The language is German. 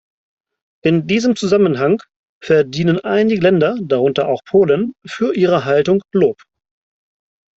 In diesem Zusammenhang verdienen einige Länder, darunter auch Polen, für ihre Haltung Lob.